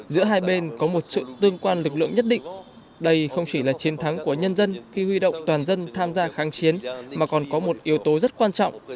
giữa hai bên có một sự tương quan lực lượng nhất định đây không chỉ là chiến thắng của nhân dân khi huy động toàn dân tham gia kháng chiến mà còn có một yếu tố rất quan trọng